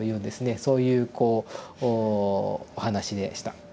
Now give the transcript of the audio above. そういうこうお話でした。